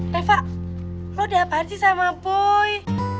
reva lo udah apaan sih sama boy